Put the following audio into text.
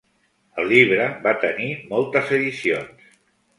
El llibre va tenir moltes edicions.